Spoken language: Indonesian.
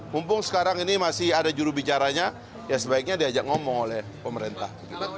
mumpung sekarang ini masih ada jurubicaranya ya sebaiknya diajak ngomong oleh pemerintah